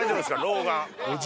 老眼。